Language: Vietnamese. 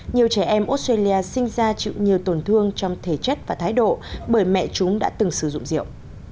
nhiều trẻ em australia sinh ra chịu nhiều tổn thương trong thể chất và thái độ bởi mẹ chúng đã từng sử dụng rượu